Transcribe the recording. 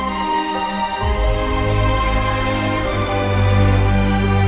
ขอเป็นข้ารอพระบาททุกชาติไป